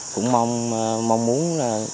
cũng mong muốn